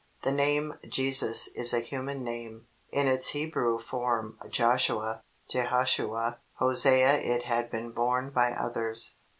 The name "Jesus" is a human name. In its Hebrew form Joshua, Jehoshua, Hosea it had been borne by others.